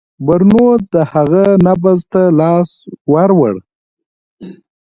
برونو د هغه نبض ته لاس ووړ.